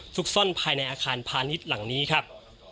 ซ่อนภายในอาคารพาณิชย์หลังนี้ครับ